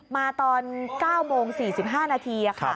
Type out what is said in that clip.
มาตอน๙โมง๔๕นาที